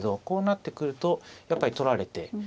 こうなってくるとやっぱり取られて。